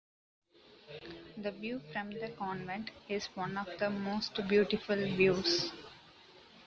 The view from the Convent is one of the most beautiful views.